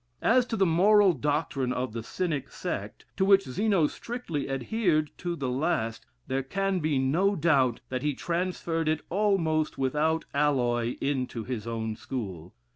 As to the moral doctrine of the Cynic sect, to which Zeno strictly adhered to the last, there can be no doubt that he transferred it almost without alloy, into his own school.